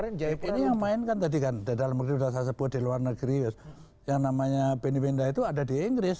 ini yang main kan tadi kan di dalam negeri sudah saya sebut di luar negeri yang namanya benny wenda itu ada di inggris